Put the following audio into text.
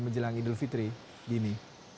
menjelang idul fitri gini